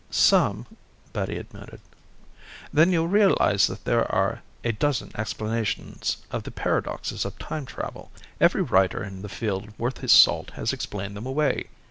"Some," Betty admitted. "Then you'll realize that there are a dozen explanations of the paradoxes of time travel. Every writer in the field worth his salt has explained them away.